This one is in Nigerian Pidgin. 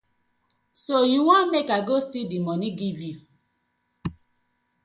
So you want mek I go still di money giv you?